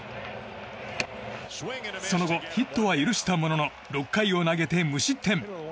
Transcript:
その後、ヒットは許したものの６回を投げて無失点。